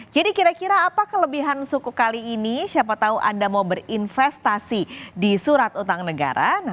jadi kira kira apa kelebihan sukuk kali ini siapa tahu anda mau berinvestasi di surat utang negara